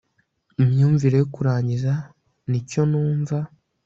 imyumvire yo kurangiza nicyo numva